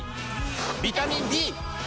ビタミン Ｂ！